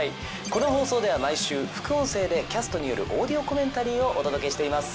この放送では毎週副音声でキャストによるオーディオコメンタリーをお届けしています。